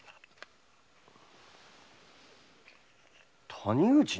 谷口に？